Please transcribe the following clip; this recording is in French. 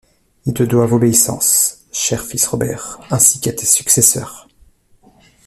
Ils te doivent obéissance, cher fils Robert, ainsi qu’à tes successeurs.